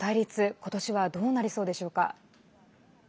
今年はどうなりそうでしょうか？